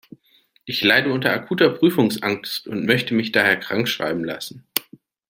Ich leide unter akuter Prüfungsangst und möchte mich daher krankschreiben lassen.